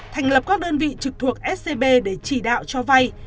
thành lập các đơn vị trực thuộc scb để chỉ đạo cho vay